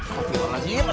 sampai jumpa lagi mas